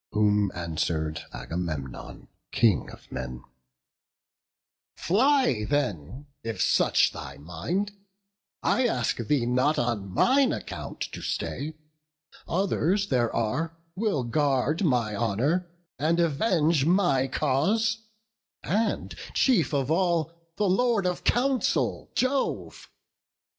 Whom answer'd Agamemnon, King of men: "Fly then, if such thy mind! I ask thee not On mine account to stay; others there are Will guard my honour and avenge my cause: And chief of all, the Lord of counsel, Jove!